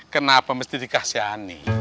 kenapa mesti dikasihani